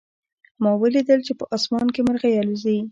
ما ولیدل چې په آسمان کې مرغۍ الوزي